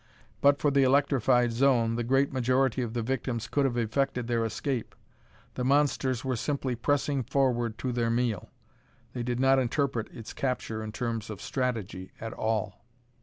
But for the electrified zone, the great majority of the victims could have effected their escape. The monsters were simply pressing forward to their meal; they did not interpret its capture in terms of strategy at all.